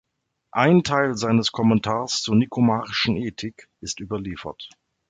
Ein Teil seines Kommentars zur "Nikomachischen Ethik" ist überliefert.